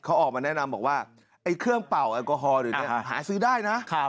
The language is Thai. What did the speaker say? เข้าออกมาแนะนำเครื่องเป่าแอลกอฮอล์หาซื้อได้นะ